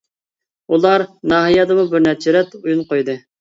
ئۇلار ناھىيەدىمۇ بىرنەچچە رەت ئويۇن قويدى.